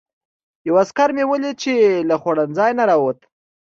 یو عسکر مې ولید چې له خوړنځای نه راووت.